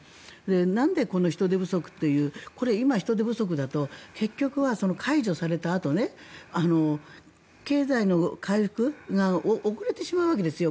なんで、この人手不足という今、人手不足だと結局は解除されたあと経済の回復が遅れてしまうわけですよ。